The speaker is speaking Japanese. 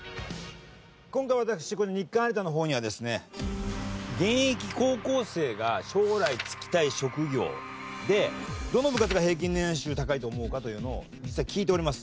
今回私「日刊有田」の方にはですね現役高校生が将来就きたい職業でどの部活が平均年収高いと思うかというのを実は聞いております。